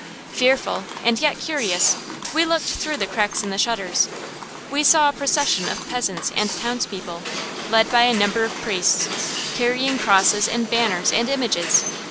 Fearful and yet curious, we looked through the cracks in the shutters. We saw a procession of peasants and townspeople, led by a number of priests, carrying crosses and banners and images.